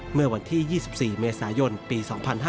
เมื่อวันที่๒๔เมษายนปี๒๕๕๙